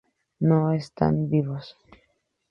No, ¡están vivos!